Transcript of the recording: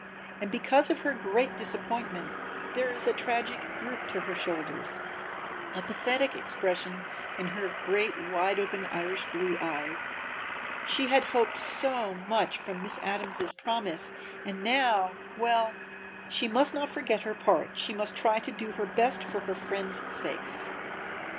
And because of her great disappointment there is a tragic droop to her shoulders, a pathetic expression in her great wide open Irish blue eyes. She had hoped so much from Miss Adams' promise and now well, she must not forget her part, she must try to do her best for her friends' sakes.